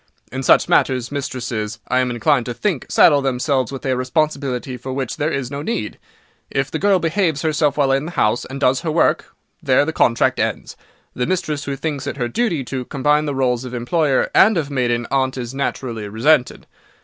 In such matters, mistresses, I am inclined to think, saddle themselves with a responsibility for which there is no need. If the girl behaves herself while in the house, and does her work, there the contract ends. The mistress who thinks it her duty to combine the rôles of employer and of maiden aunt is naturally resented.